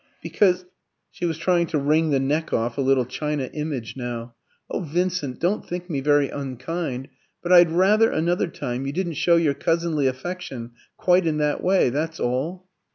"Because " She was trying to wring the neck off a little china image now. "Oh, Vincent, don't think me very unkind! but I I'd rather, another time, you didn't show your cousinly affection quite in that way. That's all."